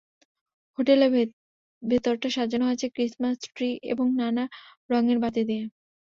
হোটেলের ভেতরটা সাজানো হয়েছে ক্রিসমাস ট্রি এবং নানা রঙের বাতি দিয়ে।